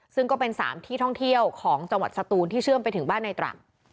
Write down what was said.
ซึ่งก็เป็น๓ที่ท่องเที่ยวของจังหวัดสตูนที่เชื่อมไปถึงบ้านในตรัง